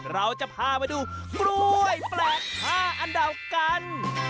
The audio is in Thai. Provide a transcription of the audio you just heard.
เราจะพาไปดูกล้วยแปลก๕อันดับกัน